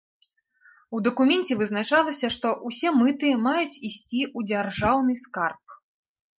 У дакуменце вызначалася, што ўсе мыты маюць ісці ў дзяржаўны скарб.